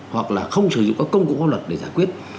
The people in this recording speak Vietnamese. hoặc là không sử dụng các công cụ pháp luật để giải quyết